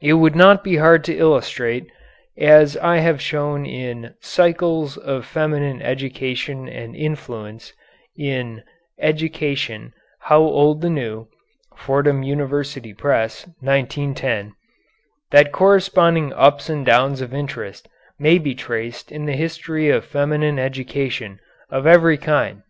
It would not be hard to illustrate, as I have shown in "Cycles of Feminine Education and Influence" in "Education, How Old the New" (Fordham University Press, 1910), that corresponding ups and downs of interest may be traced in the history of feminine education of every kind.